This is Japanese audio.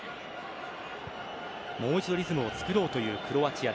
もう一度リズムを作ろうというクロアチア。